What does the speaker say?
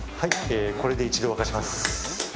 これで一度沸かします。